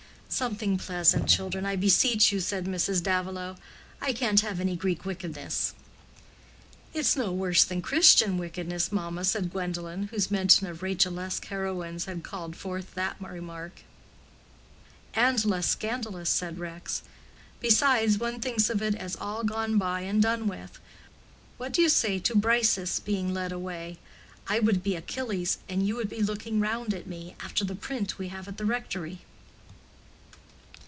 "Something pleasant, children, I beseech you," said Mrs. Davilow; "I can't have any Greek wickedness." "It is no worse than Christian wickedness, mamma," said Gwendolen, whose mention of Rachelesque heroines had called forth that remark. "And less scandalous," said Rex. "Besides, one thinks of it as all gone by and done with. What do you say to Briseis being led away? I would be Achilles, and you would be looking round at me—after the print we have at the rectory."